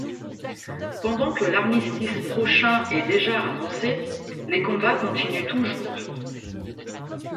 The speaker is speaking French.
Pendant que l'armistice prochain est déjà annoncé, les combats continuent toujours.